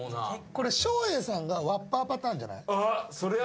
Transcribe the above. これ照英さんがワッパーパターンじゃない？